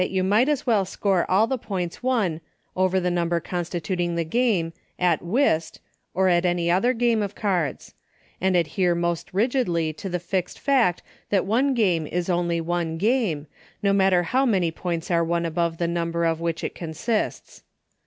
you might as well score all the points won over the number constituting the game at Whist, or at any other game of cards ; and adhere most rigidly to the ffixed fact that one game is only one game, no matter how many points are won above the number of which it consists.